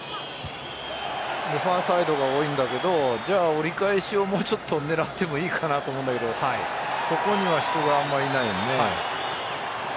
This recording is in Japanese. ファーサイドが多いんだけどじゃあ折り返しをもうちょっと狙ってもいいかなと思うんだけどそこには人があまりいないよね。